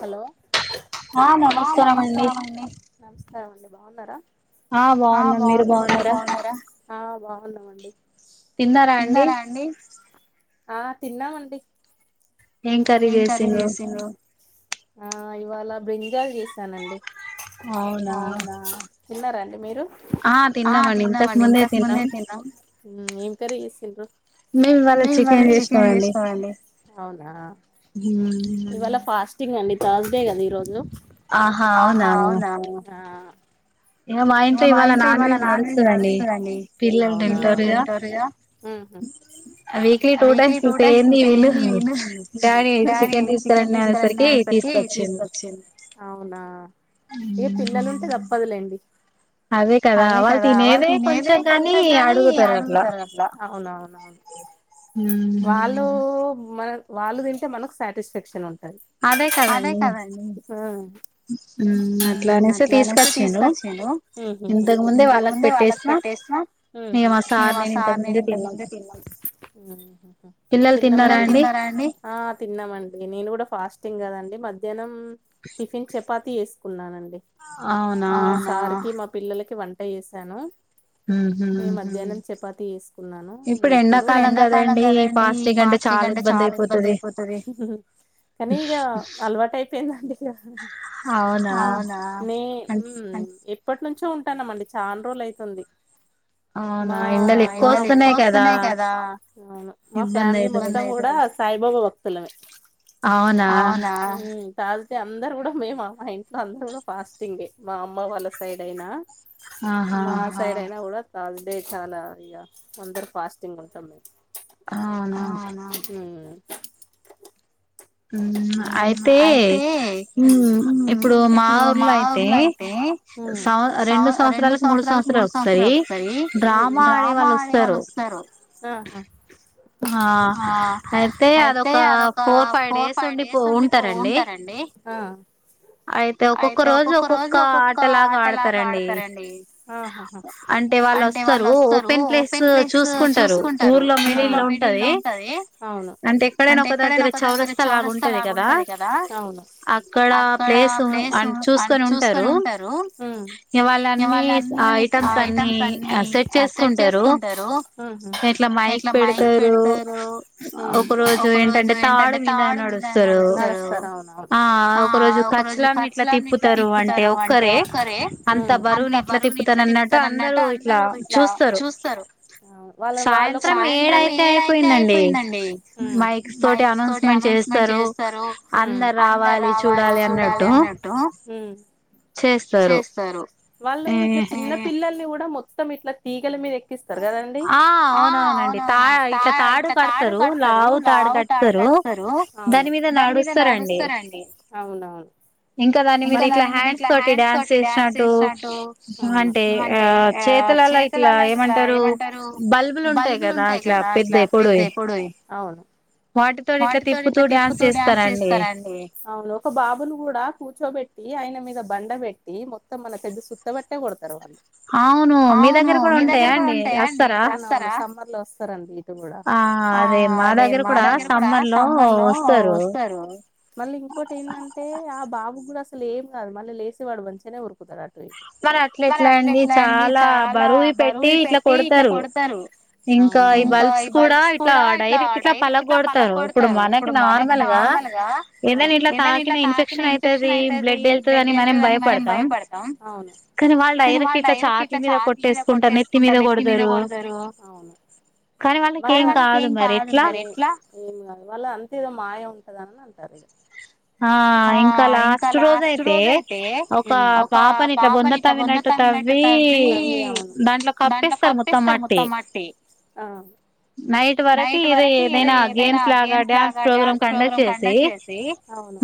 Hello నమస్కారమ అండి అవండి బాగున్నారా ఆ బాగున్న మీరు బాగున్నారా ఆ బాగున్నావండి తిన్నారా అండి ఆ తిన్నామండి ఏం కఖర్రీ చేసి నువ్వు ఆ ఇవాళ బ్రింజాలు చేశానండి. అవునా తిన్నారండి మీరు ఆ తిన్నమండి ఇంతకు ముందే తిన్నాం కరగిసల్ మేము వాళ్ళ చికెన్ చేసుకోమండి అవునా ఇవాళ ఫా స్టింగ్ అండి థర్స్డే కద ఈ రోజు హా అవునా ఆహా అవునా ఇగ పిల్లలుంటే తప్పదులేండి. అవును అవును అవున్ వాళ్ళు. మన వాళ్ళు తింటే మనకు సాటిస్ఫాక్షన్ ఉం టద్ ఆ. మ్మ్ హ్మ్ హ్మ్మ్ మ్ హ్మ్ హ్మ్ ఆ తిన్నామండి. ఎ నేను కూడా ఫాస్టింగ్ కదండి మధ్యాహ్నం టిఫెన్ చెప్ పతి ఏసుకున్నానండి అవునా మా పిల్లలకి వంట ఏసాను హ్మ్ నింన్ మధ్యాహ్నమ్ చపాత్ తీస్ ఇప్పుడు ఎండాకాలం కదండి ఫస్ట్ [unintelligible] చాలా ఇబ్బంది అయిపోతుంది అవ్నా ఏప్పట్ నుంచో ఉంటానమండి చాన్ రోజులు అయితాంది. మా ఎక్కువ వన్నాయి కదా మా ఫ్యామిలీ మొత్తం సాయిబాబా భక్తులమే హ్మ్ తాగితే అందరు కూడా మేము మా మా ఇంట్లో అందరు కూడా ఫాస్టింగే మా అమ్మ వాళ్ళ సైడ్ అయినా మా సైడైన కూడా థర్స్డే చానా ఇక కొందరు ఫాస్టింగ్ ఉంటామ్ మేం అవ్న్నా అయితే ఇప్పుడు మా ఊర్లో అయితే సం రెండు సంవత్సరాలకు మూడు సంవత్సరాలు ఒకసారి డ్రామా అనే వాళ్ళు వస్తారు ఆ అయితే అదొక ఫోర్ ఫైవ్ డేస్ ఉండి పో ఉంటారండి అయితే ఒక్కొక్క రోజు ఒక్కొక్క ఆటలాగా ఆడతారండి అంటే వాళ్ళు వస్తారు ఓపెన్ ప్లేస్ చూసుకుంటారు లో మిడిల్ లో ఉంటది అంటే ఎక్కడైనా ఒక చౌరస్త లాగుంటది కదా అక్కడ ప్లేసు చూసుకొని ఉంటారు వాలన్నీ ఆ ఐటమ్సన్నీ సెట్ చేసుకుంటారు. ఏట్లో మైక్ పెడతారు. ఒక రోజు తాడు మీద నడుస్తారు ఆ ఒక రోజు కచ్చలా కచ్చలాని ఇట్లా తిప్పుతారు అంటే ఒక్కరే అంత బరువుని ఇట్లా తిప్పుతారు అన్నట్టు అందరుూ ఇట్లా చూస్తారుళ్ళ ఏడయితే అయిపోయిందండి తోటి అనౌన్స్మెంట్ చేస్తారు అందరు రావాలి చూడాలి అన్నట్టు డౌ ఊ చేస్తారు వాళ్ళు ఇట్లా చిన్న పిల్లల్ని కూడా మొత్తం మొత్తం ఇట్లా తీగల మీద ఎక్కిస్ కడతారు కదండి అవునవునండి తా ఇట్లా తాడు కడతారు లావు తాడు కడతారు దాని మీద నాడుస్తారండి అవునవు ఇంకా దాని మీద ఇట్లా హ్యాండ్ డాన్స్ చేసినట్టు అంటే ఆ చేతులలో ఇట్లా ఏమంటారు బల్బులు ఉంటాయి కదా ఇట్లా పెద్దవి పొడువు వి అవును వాటితో ఇట్లా తిప్పుతూ డ్యాన్స్ చేస్తారండి అవును ఒక బాబుని కూడా కూర్చోబెట్టి ఆయన మీద బండ పెట్టి మొత్తం మన చద్ద సుత్త బట్టే కొడతారు అంత అవును మీ దగ్గర కూడా ఉంటాయా అండి వారా సమర్ లో వస్తారండి ఇటు కూడా ఆ అదే మా దగ్గర కూడా సమ్మర్ లో వస్తారు మళ్ళీ ఇంకోటి ఏందంటే ఆ బాబా కూడా అసలు ఏం కాదు మళ్ళీ లేేసే వాడు మం రుకుద నా మరి అట్లా ఎట్లా అండి చాలా బరువువి పెట్టి ఇట్లా కొడతారు ఇంకా ఈ బల్బ్స్ కూడా ఇట్లా డైరెక్ట్ ఇట్లా పలగగొడతారు ఇప్పుడు మనకి నార్మల్గా ఏదనా ఇట్లా తాకిన ఇన్ఫెక్షన్ అవుతుది బ్లడ్ వెళ్తుదిని మనం భయపడతాం అ అవును కానీ వాళ్ళు డైరెక్ట్ ఇట్లా చాతి మీద కొట్టేసుకుంటారు నెత్తి మీద కొడతరు అవును మరి వాళ్ళ ఏం కాదు మరి వాళ అంతేో మాయ ఉంట అదా అంటారు ఆ ఇంకా లాస్ట్ రోజు అయితే ఒక పాపని ఇట్లా బొంద తవ్వినట్టు తవ్వి దాంట్లో కప్పిస్తారు మొత్తం మట్టి నైట్ వరకు ఏదో ఏదైనా గేమ్స్ లాగా డ్యాన్స్ ప్రోగ్రామ్ కండక్ట్ చేసి అవును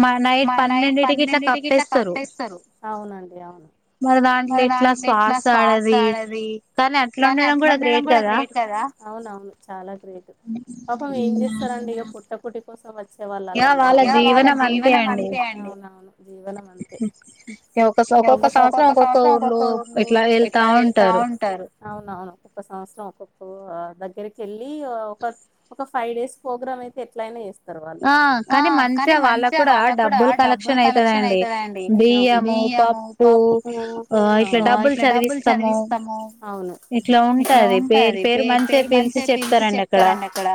మా నైట్ పన్నెండింటికి ఇట్లా కప్పేస్తారు అవునండి అవును మరి దాంట్లో ఎట్లా శ్వాస ఆడది కానీ, అట్లా ఉండడం కూడా గ్రేట్ కదా, పాపం ఏం చేస్తారండి ఇక పుట్ట కుట్టి కోసం వచ్ వచ్చే వాళ్లళ్ళందరు అవునవును జీవనం అంతే సంవత్సరం ఒక్కొక్క ఊర్లు ఇట్లా వెళ్తా ఉంటారు. ఓ దగ్గరికి వెళ్ళి ఒ ఫ ఒక ఫైవ్ డేస్ ప్రోగ్రామ్ అయితే ఎట్లైనా చేస్ తరు వాళ్ళు అవును. పు ఇట్లా డబ్బులు చదివిస్తాము. అవును ఇట్లా ఉంటది పేరు పేరు మంచి అయి పిలించి, చెప్తారండి అక్కడ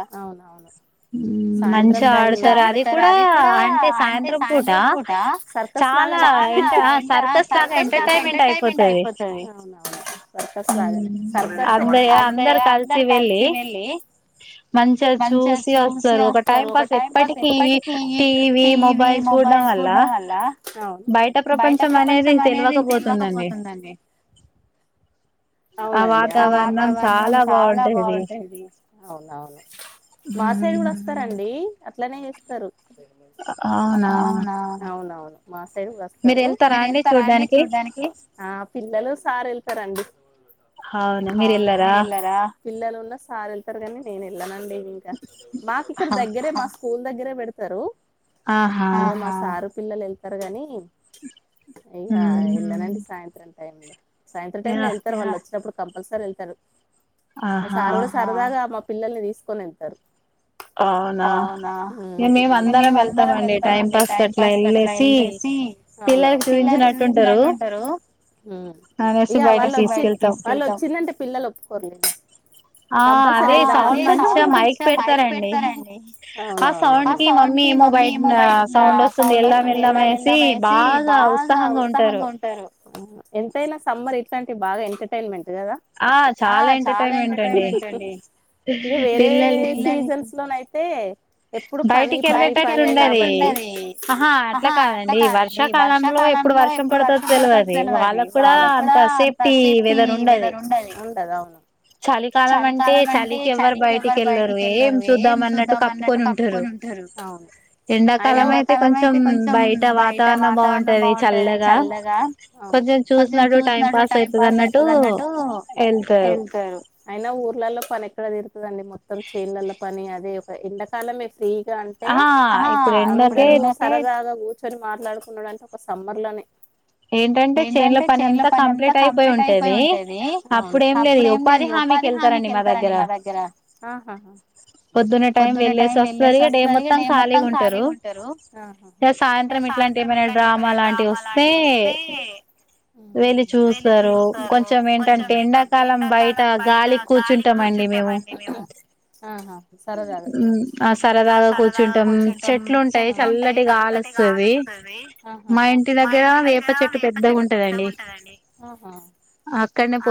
సాయంత్రం మంచిగ ఆడతారు అది కూడా అంటే సాయంత్రం పూట చాలా ఎంట ఆ సర్కస్ లాగా ఎంటర్టైన్మెంట్ అయిపోతది. అందేగ అందరు కలిసి వెళ్ళి మంచిగా చూస్. ఏస్తారు అవును, అవునండి అవును, అవును అవును మా సైడ్ కూడా అస్ అండి అట్లనే చేస్తరు అవును అవును మా సైడు వస్తారు ఆ పిల్లలు సార్ వెళ్తారండి పిల్లలున్నా సార్ ఎల్తారు గాని నేను వెళ్ళనన్ డి ఇంకా ఇక్కడ దగ్గరే మాక్ స్కూల్ దగ్గరే పెడతారు ఆహా పిల్లలు ఎళ్తరు గానీ ఇంగ ఎల్లనండి సాయంత్రం ఇ టైమ్ లో సాయంత్ర టైంలో ఎల్తరు వాళ్ళు వచ్చినప్పుడు కంపల్సరీ ఎళ్తరు మా సార్ గుడా సరదాగా మా పిల్లల్ని తీసుకొని ఎళ్తారు అవునా మేము అందరం వెళ్తామండి అట్లా టైం పాస్ కి అట్లా ఎల్లేసి పిల్లలకు చూపించినట్టుంటారు ఇగ వాళ్ళ వచ్చిందంటే పిల్లలు ఒప్పుకోరులే కంపల్సరీ వెళ్దాం అంటారు సౌండ్ మంచిగా మైక్ పెడతారండి ఆ సౌండ్ కి మమ్మీ ఏమో బయ సౌండ్ వస్తుంది వెళ్దాం వెళ్దాం అనేసి బాగా ఉత్సాహంగా ఉంటారు ఉంటారు ఎంతైనా సమ్మర్ ఇట్లాంటి బాగా ఎంటర్టైన్మెంట్ కదా ఆ చాలా ఎంటర్టైమెంట్ అండి ఇక వేరే సీజన్స్ అయితే ఎప్పుడు పని పని పని కాబట్టి బయటికెళ్లేటట్టు ఉండది ఆహా అట్ల కాదండి వర్షాకాలంలో ఎప్పుడు వర్షం పడుతు తెలువది వాళ్ళ కూడా అంత సేఫ్టీ వెదర్ ఉండది చలికాలం అంటే చలికి ఎవ్వరు బయటికి ఎళ్ళరు చూద్దాం అన్నట్టు కప్పుకొని ఉన్ కొని ఉంటారు అయినాఎండాకాలం అయితే కొంచెం బయట వాతావరణం బాగుంటది చల్లగా కొంచం చూసినట్టు టైం పాస్ అవుతది అన్నట్టు ఎళ్తారు అయినా ఊర్లలో పని ఎక్కడ తీరుతదండి మొత్తం చెన్లల్ల పని అదే ఇక ఎండాకాలమే ఫ్రీ అంటే ఆ అందరూ సరదాగా కూర్చుని మాట్లాడుకుంటా ఉండాలంటే ఒక సమ్మర్లోనే ఏంటంటే చేన్ లో పని అంతా కంప్లీట్ అయిపోయి ఉంటది అప్పుడు ఏం లేదు ఇగ ఉపాధి హామీకి ఎళ్తారండి మా దగ్గర ఆహా పొద్దున్న టైం వెళ్లేేసి వస్తారు ఇగ డై మొత్తం ఖాళీగా ఉంటారు సాయంత్రం ఇట్లాంటి ఏమైనా డ్రామా లాంటివి ఏ వస్తే ఏ వెళ్ళి చూస్తారు కొంచం ఏంటంటే ఎండాకాలం బయట గాలి కూర్చుంటాం అండి మేము సరదాగా కూర్చుంటాం చెట్లు ఉంటాయి చల్లటి గాలి వస్తది మా ఇంటి దగ్గర వేప చెప్ప చెట్టు పెద్దగా ఉంటదండి ఊహు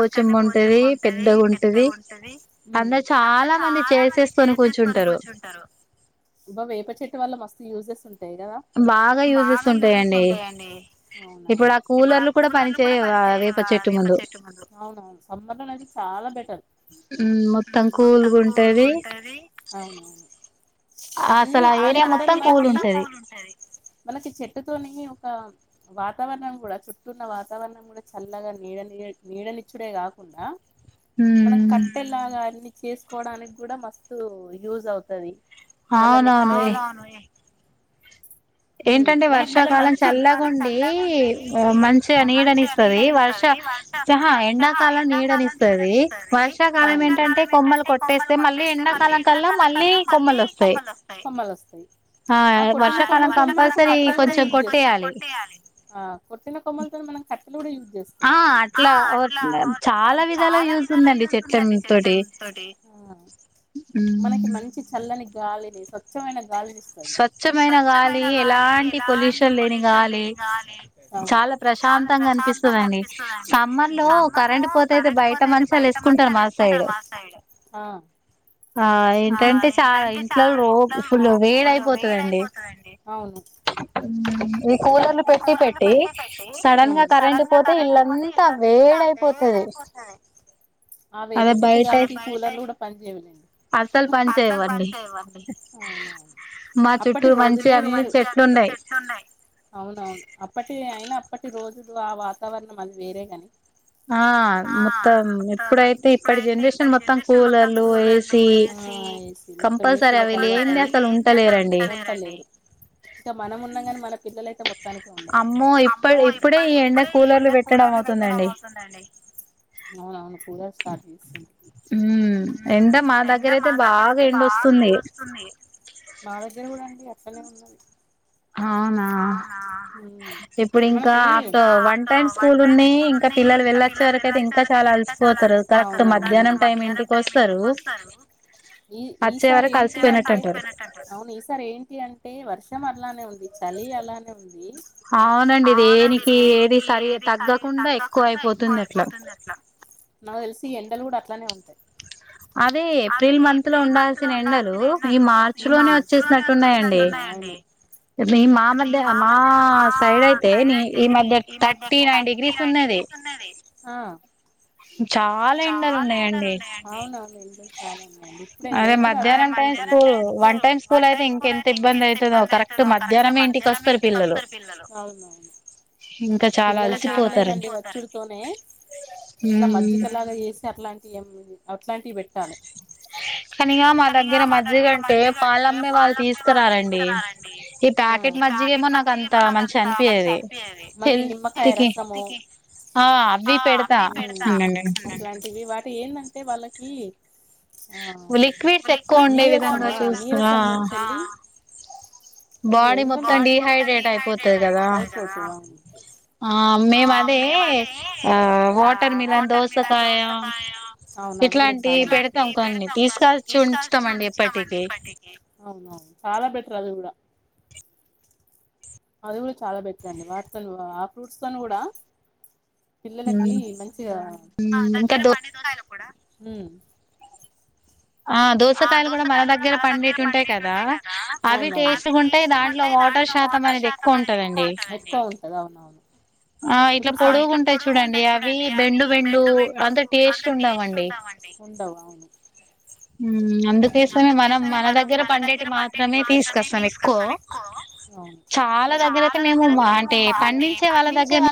అక్కడనే పోచమ్మ ఉంటది పెద్దగా ఉంటది అంత చాలా మంది వేసేసుకొని కూర్చుంటారు అబ్బా వేప చెట్టు వల్ల మస్తు యూస్ ఉంట యూజెస్ ఉన్నాయ్ బాగా యూజెస్ ఉంటాయి అండి ఇప్పుడు ఆ కూలర్లు కూడా పనిచేయవు ఆ వేప చెట్టు ముందు హుమ్ మొత్తం కూల్ గుంటది అవున అన్ని మళ్లీ చూడండి మనకి మనకి చెట్ తోని ఒక వాతావరణం కూడా చుట్టూ ఉన్న వాతావరణం కూడా చల్లగా నీడ నీడని నీడనిచ్చుడే కాకుండా మనం కట్టెలాగా అన్ని చేసి కోడానికి కూడా మస్తు సు యూజు అవుతది మళ్ళ నెక్స్ట్ ఏంటంటే వర్షాకాలం చల్లగుండి మంచిగా నీడనిస్తది వర్షా అహ ఎండాకాలం నీడనిస్తది వర్షాకాలం ఏంటంటే కొమ్మలు కొట్టేస్తే మళ్ళీ ఎండక మళ్లీ ఎండాకాలం కల్లా మళ్ళీ కొమ్మలు వస్తాయి ఆ ఆ కొట్టిన కొమ్మలతో మనం కట్టలు కూడా యూస్ చేసుకో ఆ అట్లా చాలా విధాల యూస్ ఉందండి చెట్ల తోటి మనకి మంచి చల్లని గాలి స్వచ్ఛమైన గాలి విస్తది ఆ ఏంటంటే చాలా ఇంట్లో రో ఫులు అవును ఉమ్ వేప చెట్టు గానికి య కూలర్లు కూడా పని చేయవు అవునా అప్పటి రోజులే వేరు అవునవును అప్పటి అయినా అప్పటి రోజులు ఆ వాతావరణం అది వేరేగాని ఆ మొత్తం ఇప్పుడైతే ఇప్పటి జనరేషన్ మొత్తం కూలర్లు ఏసీ ఎసి మొత్తం ఎసి లో ఉండలేరు మనం ఉండాగానే మన పిల్లలు అమ్మో ఇప్పు ఇప్పుడే ఈ ఎండకు కూలర్లు పెట్టడం అవుతుందండి అవునవును కూలర్ స్టార్ట్ చేసి ఉమ్ ఎండ మా ఎండ మా దగ్గర అయితే బాగా ఎండొస్తుంది అట్లనే ఉన్నది అవునా ఇప్పుడు ఇంకా ఆఫ్టర్ వన్ టైమ్ స్కూల్ ఉన్నాయి ఇంకా పిల్లలు వెళ్లొచ్చే వరకు అయితే ఇంకా చాలా అలసిపోతారు కరెక్ట్ మధ్యాహ్నం టైమ్ ఇంటికి వస్తారు ఈ ఈ సారి ఏంటి అంటే అవును ఈ సార్ ఏంటి అంటే వర్షం అట్లనే ఉంది చలీ అలానే ఉంది కి నాకు తెలిసి ఎండలు కూడా అట్లానే ఉంటాయి ఉమ్ వస్తున్నాయి. అవును ఆ అవునవును చాలా ఉన్నాయండి ఇప్పుడే మేము కూడా అదే అనుకుంటున్నాం అవును పిల్లలకి ఏం లేదు అండి వచ్చుడు తోని ఇట్లా మజ్జిగ లాగా చేసి అట్లాంటివి ఏం ఉమ్ అట్లాంటివి పెట్టాలి ఆమ్ మళ్ళి నిమ్మకాయ రసం అట్లటివి వాటివి ఎంటంటే అంటే వాళ్ళకి ఆ నీరసమా నీరసం నుంచి అండి ఎంది అయిపోతది అవును అవును అవి కూడా ఇట్లాంటివి పెడతాం కాడి తీసుకల్సి ఉంచుతామండి ఇప్పటిక చాలా బెటర్ అది కూడా అది కూడా చాలా బెటర్ అండి వాటితో ఆ ఫ్రూట్స్తో కూడా. పిల్లలకి మంచిగా దగ్గర ప ఉ ఆ దోసకాయలు కూడా మన దగ్గర పండిట్టుంటాయి కదా అవి టేస్ట్గా ఉంటాయి దాంట్లో వాటర్ శాతం అనేది ఎక్కువ ఉంటందింప్పుడు ఇట్లా పొడుగుంటాయి చూడండి అవి బెండు బెండు అంత టేస్ట్ ఉంటావుండి. అందుకేస మనం మన దగ్గర పండేటి మాత్రమే తీసుకొస్తాం ఎక్కువ చాలా దగ్గర అయితే మేము అంటే పండించే వాళ్ళ దగ్గర